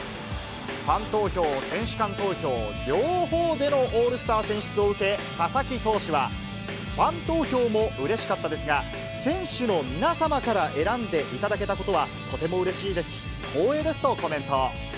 ファン投票、選手間投票、両方でのオールスター選出を受け、佐々木投手は、ファン投票もうれしかったですが、選手の皆様から選んでいただけたことはとてもうれしいですし、光栄ですとコメント。